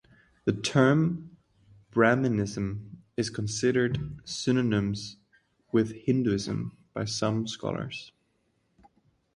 The term Brahmanism is considered synonymous with Hinduism, by some scholars.